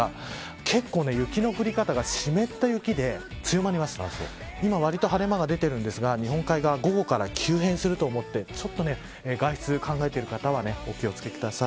結構、雪の降り方が湿った雪で強まりますから今、わりと晴れ間が出てるんですが日本海側午後から急変すると思って外出を考えている方はお気を付けください。